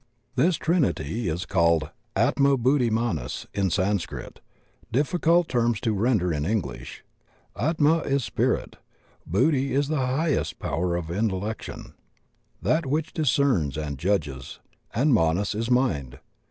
This trinity is that called Atma Buddhi'Manas in Sanskrit, difficult terms to render in English. Atma is Spirit, Buddhi is the highest power of intellection, that which discerns and judges, and Manas is Mind.